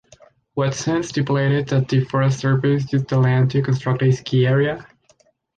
Watson stipulated that the Forest Service use the land to construct a ski area.